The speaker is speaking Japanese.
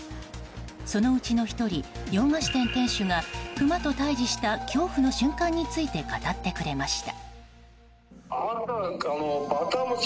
そのうちの１人、洋菓子店店主がクマと対峙した恐怖の瞬間について語ってくれました。